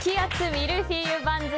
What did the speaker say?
ミルフィーユ番付